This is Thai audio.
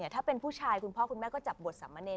ถ้าเป็นผู้ชายคุณพ่อคุณแม่ก็จับบทสามเนร